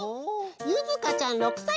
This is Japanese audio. ゆずかちゃん６さいからです！